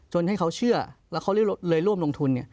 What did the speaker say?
ให้เขาเชื่อแล้วเขาเลยร่วมลงทุน